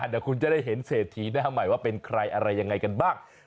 เดี๋ยวคุณจะได้เห็นเศรษฐีหน้าใหม่ว่าเป็นใครอะไรยังไงกันบ้าง